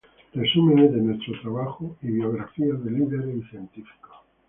Resúmenes de nuestro trabajo y biografías de líderes y científicos.